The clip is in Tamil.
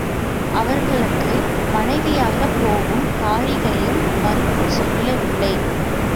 அவர்களுக்கு மனைவியாகப் போகும் காரிகையும் மறுப்புச் சொல்லவில்லை.